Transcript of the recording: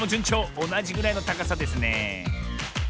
おなじぐらいのたかさですね